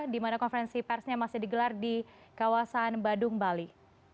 di mana konferensi persnya masih digelar di kawasan badung bali